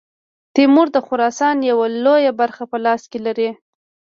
تیمور د خراسان یوه لویه برخه په لاس کې لري.